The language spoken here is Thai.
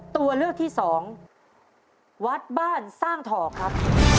ตัวเลือกที่สองวัดบ้านสร้างถ่อครับ